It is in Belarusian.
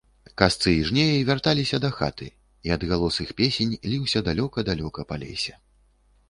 Касцы i жнеi вярталiся дахаты, i адгалос iх песень лiўся далёка-далёка па лесе...